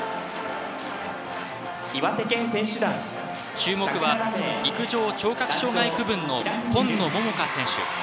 注目は陸上・聴覚障害区分の今野桃果選手。